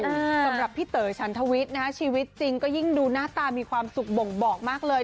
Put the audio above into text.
สำหรับพี่เต๋อฉันทวิทย์นะฮะชีวิตจริงก็ยิ่งดูหน้าตามีความสุขบ่งบอกมากเลย